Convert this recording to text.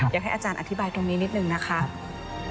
อยากให้อาจารย์อธิบายตรงนี้นิดนึงนะคะ